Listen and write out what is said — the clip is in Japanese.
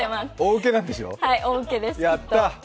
大ウケです。